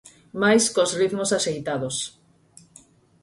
Mais cos ritmos axeitados.